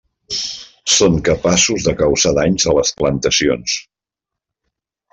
Són capaços de causar danys a les plantacions.